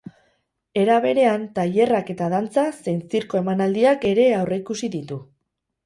Era berean, tailerrak eta dantza zein zirko emanaldiak ere aurreikusi ditu.